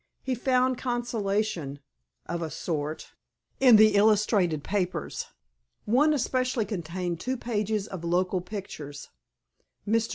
He found consolation, of a sort, in the illustrated papers. One especially contained two pages of local pictures. "Mr.